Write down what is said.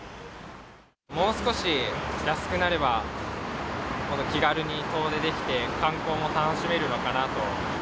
もう少し安くなれば、気軽に遠出できて観光も楽しめるのかなと。